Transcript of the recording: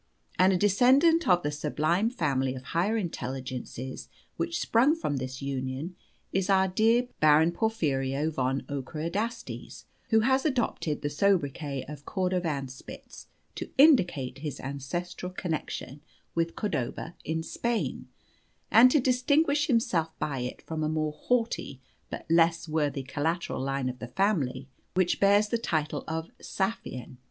And a descendant of the sublime family of higher intelligences which sprung from this union is our dear Baron Porphyrio von Ockerodastes, who has adopted the sobriquet of Cordovanspitz to indicate his ancestral connection with Cordova in Spain, and to distinguish himself by it from a more haughty but less worthy collateral line of the family, which bears the title of 'Saffian.'